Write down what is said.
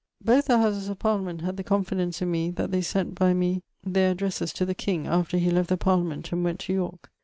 Both the houses of parlament had the confidence in me that they sent by me ther addresses to the king after he left the parlament and went to Yorke.